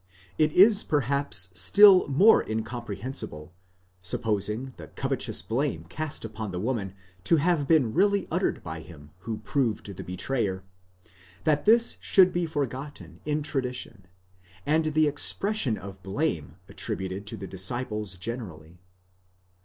It is perhaps still more incomprehensible, supposing the covetous blame cast upon the woman to have been really uttered by him who proved the betrayer, that this should be forgotten in tradition, and the expression of blame attributed to the disciples generally.